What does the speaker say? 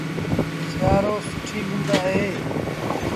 سيٚآرو سُٺيٚ مند اهي